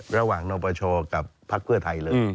ระหว่างนปชกับพักเพื่อไทยเลย